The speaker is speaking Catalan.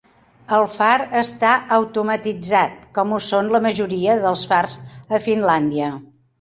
El far està automatitzat, com ho són la majoria dels fars a Finlàndia.